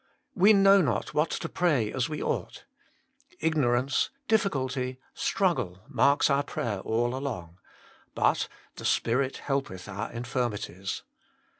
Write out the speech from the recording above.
" We know not what to pray as we ought"; ignorance, difficulty, struggle, marks our prayer all along. But, " the Spirit helpeth our infirmities."